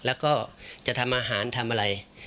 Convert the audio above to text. แล้วก็จะทำอาหารทำอะไร